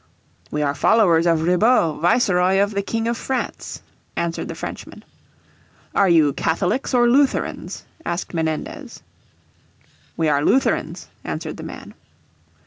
"We are followers of Ribaut, Viceroy of the King of France," answered the Frenchman." "Are you Catholics or Lutherans?" asked Menendez. "We are Lutherans," answered the man.